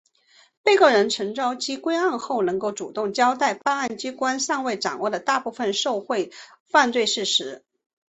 被告人陈绍基归案后能够主动交代办案机关尚未掌握的大部分受贿犯罪事实。